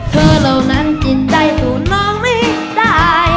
เธอเหล่านั้นกินได้ตัวน้องไม่ได้